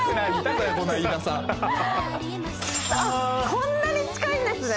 こんなに近いんですね。